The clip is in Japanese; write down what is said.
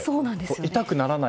痛くならない。